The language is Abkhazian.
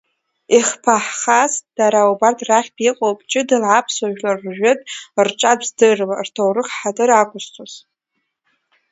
Ихԥахаз, дара убарҭ рахьтә иҟоуп ҷыдала аԥсуа жәлар ржәытә, рҿатә здыруа, рҭоурых ҳаҭыр ақәызҵоз.